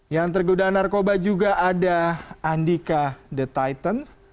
yang tergoda narkoba juga ada andika the titans